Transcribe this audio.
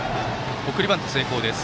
送りバント成功です。